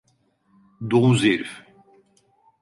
Domuz herif!